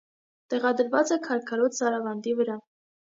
Տեղադրված է քարքարոտ սարավանդի վրա։